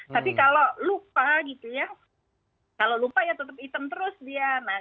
tapi kalau lupa gitu ya kalau lupa ya tetap hitam terus dia